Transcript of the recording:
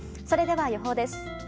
それでは予報です。